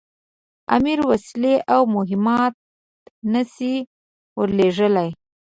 امیر وسلې او مهمات نه سي ورلېږلای.